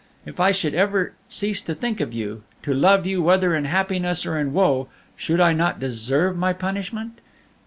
If I should ever cease to think of you, to love you whether in happiness or in woe, should I not deserve my punishment?"